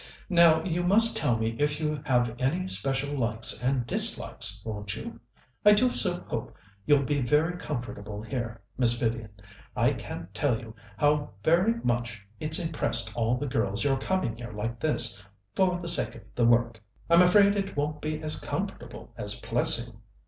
"Now, you must tell me if you have any special likes and dislikes, won't you? I do so hope you'll be fairly comfortable here, Miss Vivian. I can't tell you how very much it's impressed all the girls, your coming here like this, for the sake of the work. I'm afraid it won't be as comfortable as Plessing."